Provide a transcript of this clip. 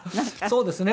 そうですね。